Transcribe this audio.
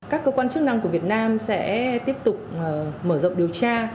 các cơ quan chức năng của việt nam sẽ tiếp tục mở rộng điều tra